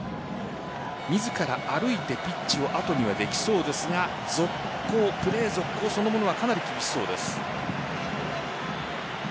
自ら歩いてピッチを後にはできそうですがプレー続行そのものはかなり厳しそうです。